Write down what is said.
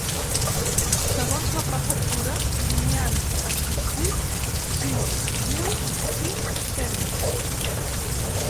Segons la prefectura n’hi han assistit sis mil cinc-cents.